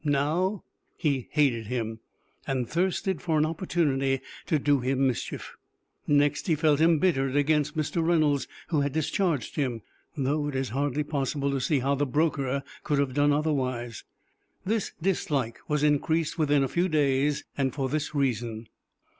Now he hated him, and thirsted for an opportunity to do him mischief. Next he felt embittered against Mr. Reynolds, who had discharged him, though it is hardly possible to see how the broker could have done otherwise. This dislike was increased within a few days, and for this reason.